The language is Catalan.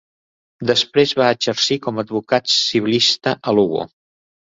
Després va exercir com a advocat civilista a Lugo.